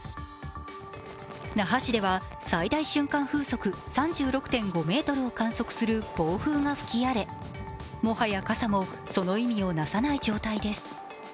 那覇市では、最大瞬間風速３６．５メートルを観測する暴風が吹き荒れもはや傘もその意味をなさない状態です。